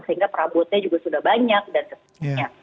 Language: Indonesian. sehingga perabotnya juga sudah banyak dan sebagainya